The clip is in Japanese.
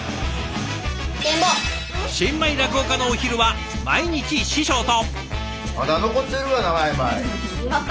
新米落語家のお昼は毎日師匠と！？